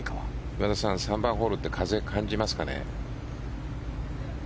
今田さん、３番ホールって風、感じますかね。